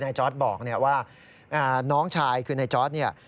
นายจอร์ตบอกเนี่ยว่าน้องชายคือนายจอร์ตเนี่ย